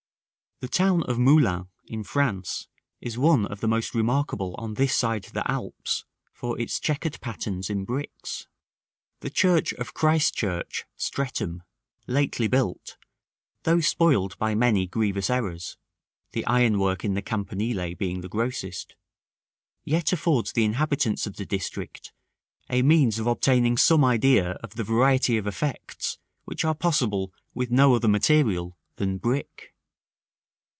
The town of Moulins, in France, is one of the most remarkable on this side the Alps for its chequered patterns in bricks. The church of Christchurch, Streatham, lately built, though spoiled by many grievous errors (the iron work in the campanile being the grossest), yet affords the inhabitants of the district a means of obtaining some idea of the variety of effects which are possible with no other material than brick.